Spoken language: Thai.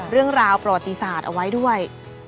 เรื่องราวประวัติศาสตร์เอาไว้ด้วย